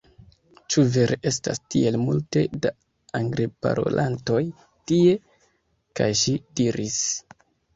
Ĉu vere estas tiel multe da Angleparolantoj tie? kaj ŝi diris: